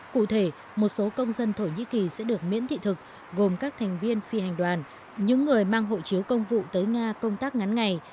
cụ thể một số công dân thổ nhĩ kỳ sẽ được miễn thị thực gồm các thành viên phi hành đoàn những người mang hộ chiếu công vụ tới nga công tác ngắn ngày